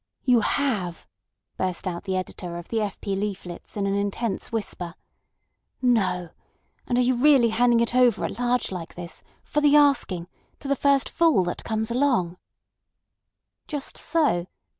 "You have!" burst out the editor of the F. P. leaflets in an intense whisper. "No! And are you really handing it over at large like this, for the asking, to the first fool that comes along?" "Just so!